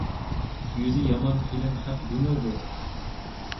يۈزى يامان قېلىن خەق جۇمۇ بۇ!